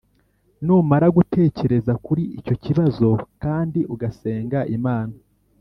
Numara gutekereza kuri icyo kibazo kandi ugasenga Imana